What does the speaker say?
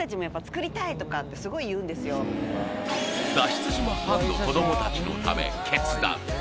脱出島ファンの子ども達のため決断